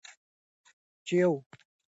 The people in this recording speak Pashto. چې یو ئي مخلوقاتو ته نعمتونه ورکړي دي